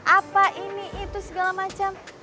apa ini itu segala macam